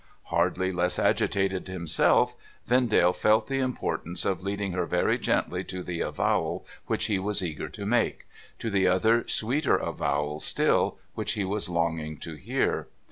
Hardly less agitated himself, Vendale felt the importance of leading her very gently to the avowal which he was eager to make — to the other sweeter avowal still, which he was longing to hear.